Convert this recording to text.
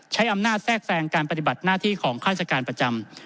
ใช้อำนาจแทรกแทรงการปฏิบัติหน้าที่ของข้าราชการประจำ